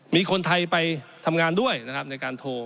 มีคนไทยไปทำงานด้วยนะครับในการโทร